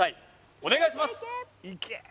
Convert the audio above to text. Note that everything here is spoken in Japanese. お願いします